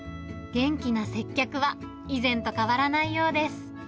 元気な接客は、以前と変わらないようです。